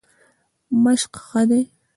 مشق ښه دی.